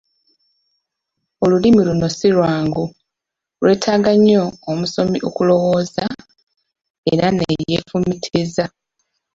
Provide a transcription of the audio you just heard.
Olulimi luno si lwangu, lwetaaga nnyo omusomi okulowooza era ne yeefumiitiriza.